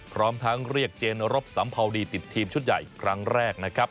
พร้อมทั้งเรียกเจนรบสัมภาวดีติดทีมชุดใหญ่ครั้งแรกนะครับ